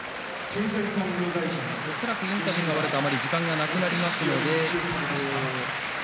恐らくインタビューのあとあまり時間がなくなります。